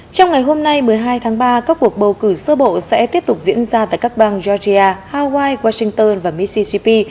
trong ngày hôm nay một mươi hai tháng ba các cuộc bầu cử sơ bộ sẽ tiếp tục diễn ra tại các bang georgia hawaii washington và missisip